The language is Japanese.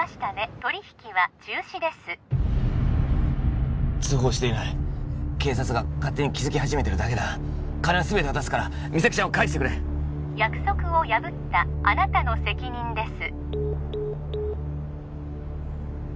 取り引きは中止です通報していない警察が勝手に気づき始めてるだけだ金はすべて渡すから実咲ちゃんを返してくれ約束を破ったあなたの責任です